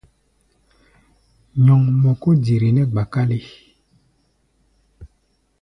Nyɔŋmɔ kó diri nɛ́ gba-kálé.